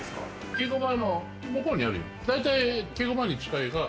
稽古場の向こうにあるよ。